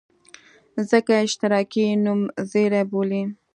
ځکه یې اشتراکي نومځري بولي.